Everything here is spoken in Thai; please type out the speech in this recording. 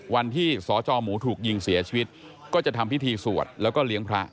วันที่สจหมูถูกยิงเสียชีวิตก็จะทำพิธีสวดแล้วก็เลี้ยงพระ